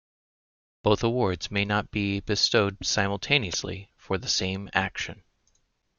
Both awards may not be bestowed simultaneously for the same action.